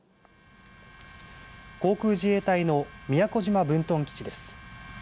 航空自衛隊の宮古島分屯基地です。